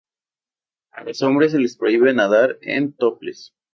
A los hombres se les prohíbe nadar en topless.